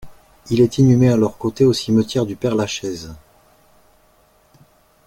Il est inhumé à leurs côtés au cimetière du Père-Lachaise.